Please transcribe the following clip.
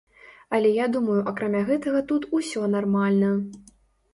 Але я думаю акрамя гэтага тут усё нармальна.